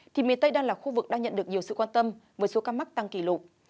thì miền tây đang là khu vực đang nhận được nhiều sự quan tâm với số ca mắc tăng kỷ lục